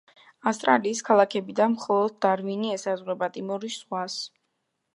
ავსტრალიის ქალაქებიდან, მხოლოდ დარვინი ესაზღვრება ტიმორის ზღვას.